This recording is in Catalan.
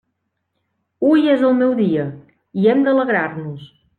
Hui és el meu dia, i hem d'alegrar-nos.